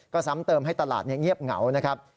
ก็ซ้ำเติมให้ตลาดเงียบเหงานะครับ